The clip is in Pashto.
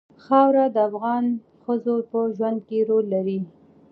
خاوره د افغان ښځو په ژوند کې رول لري.